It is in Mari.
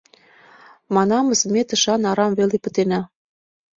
Манамыс, ме тышан арам веле пытена.